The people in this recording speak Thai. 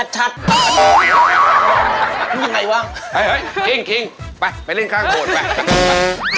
จะว่าเมื่อไหร่เหมือนนี้